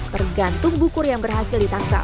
tergantung bukur yang berhasil ditangkap